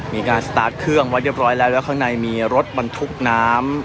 มีการสตาร์ทเครื่องไว้เรียบร้อยแล้วแล้วข้างในมีรถบรรทุกน้ำ